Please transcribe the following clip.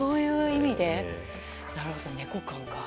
なるほど、猫感か。